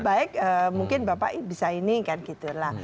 baik mungkin bapak bisa ini kan gitu lah